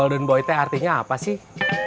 aldown boy t artinya apa sih